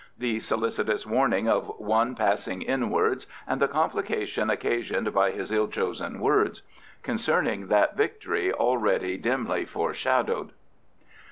The solicitous warning of one passing inwards and the complication occasioned by his ill chosen words. Concerning that victory already dimly foreshadowed.